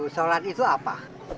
sholat itu apa